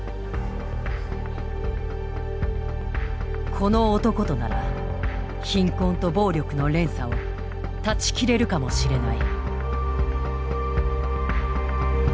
この男となら貧困と暴力の連鎖を断ち切れるかもしれない。